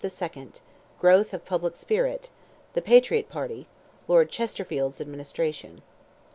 —GROWTH OF PUBLIC SPIRIT—THE "PATRIOT" PARTY—LORD CHESTERFIELD'S ADMINISTRATION.